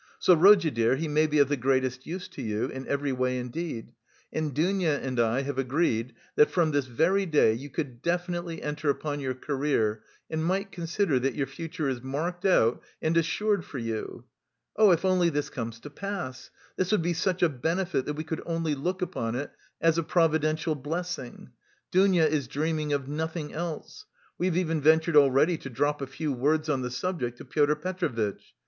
So, Rodya dear, he may be of the greatest use to you, in every way indeed, and Dounia and I have agreed that from this very day you could definitely enter upon your career and might consider that your future is marked out and assured for you. Oh, if only this comes to pass! This would be such a benefit that we could only look upon it as a providential blessing. Dounia is dreaming of nothing else. We have even ventured already to drop a few words on the subject to Pyotr Petrovitch.